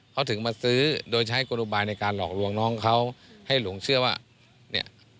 เขาถึงมาซื้อโดยใช้กลุบายในการหลอกลวงน้องเขาให้หลงเชื่อว่าเนี่ย